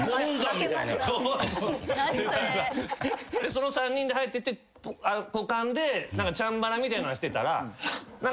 その３人で入ってて股間でチャンバラみたいなのしてたら。